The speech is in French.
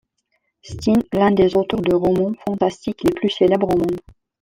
Stine, l’un des auteurs de romans fantastiques les plus célèbres au monde.